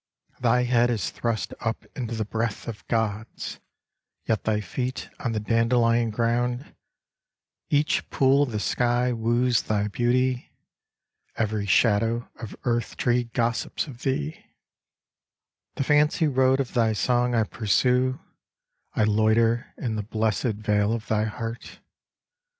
Thy head is thrust up into the breath of gods, Yet thy feet on the dandelion ground ; Each pool of the sky woos thy beauty. Every shadow ot earth tree gossips of thee ; The fancy road of thy song I pursue, I loiter in the blessed vale of thy heart.